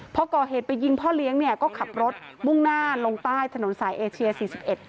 เพราะก่อเหตุไปยิงพ่อเลี้ยงเนี่ยก็ขับรถมุ่งหน้าลงใต้ถนนสายเอเชีย๔๑